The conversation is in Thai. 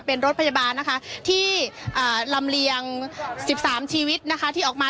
เป็นรถพยาบาลนะคะที่ลำเลียง๑๓ชีวิตนะคะที่ออกมา